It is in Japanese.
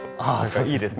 いいですね